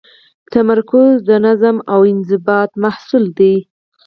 تمرکز د نظم او انضباط محصول دی.